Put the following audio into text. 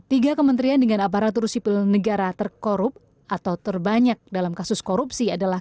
tiga kementerian dengan aparatur sipil negara terkorup atau terbanyak dalam kasus korupsi adalah